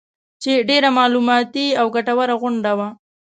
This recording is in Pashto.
چې ډېره معلوماتي او ګټوره غونډه وه